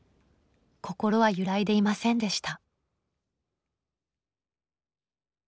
心は揺らいでいませんでした。